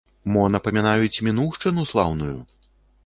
Мо напамінаюць мінуўшчыну слаўную?